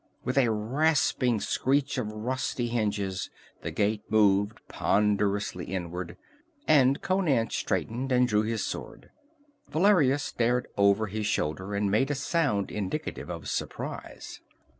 With a rasping screech of rusty hinges the gate moved ponderously inward, and Conan straightened and drew his sword. Valeria stared over his shoulder, and made a sound indicative of surprise.